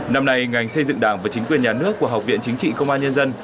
năm nay ngành xây dựng đảng và chính quyền nhà nước của học viện chính trị công an nhân dân